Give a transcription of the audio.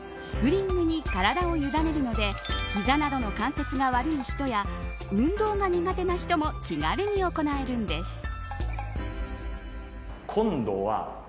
スプリングに体をゆだねるので膝の関節などが悪い人や運動が苦手な人も気軽に行えるんです。